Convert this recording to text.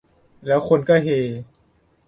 แล้วคนก็เฮ